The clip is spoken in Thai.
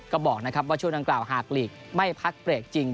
ก็บอกนะครับว่าช่วงดังกล่าวหากลีกไม่พักเบรกจริง